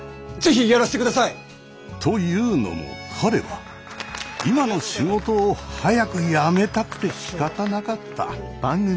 是非やらせてください！というのも彼は今の仕事を早く辞めたくてしかたなかった。